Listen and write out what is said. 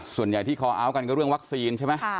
ส่วนใหญ่ที่คอเอาท์กันก็เรื่องวัคซีนใช่ไหม